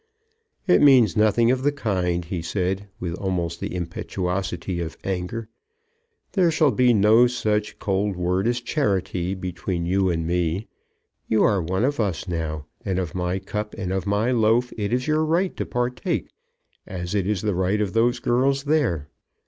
"It means nothing of the kind," he said, with almost the impetuosity of anger. "There shall be no such cold word as charity between you and me. You are one of us now, and of my cup and of my loaf it is your right to partake, as it is the right of those girls there.